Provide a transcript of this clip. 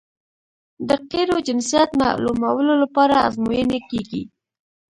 د قیرو جنسیت معلومولو لپاره ازموینې کیږي